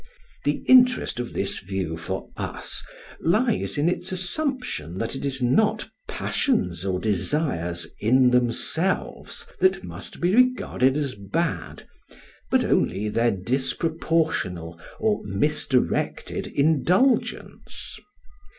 The interest of this view for us lies in its assumption that it is not passions or desires in themselves that must be regarded as bad, but only their disproportional or misdirected indulgence.